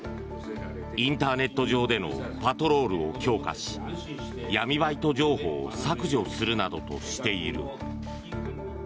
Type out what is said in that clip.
インターネット上でのパトロールを強化し闇バイト情報を削除するなどとしている。